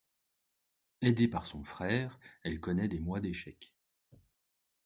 Aidée par son frère, elle connaît des mois d'échec.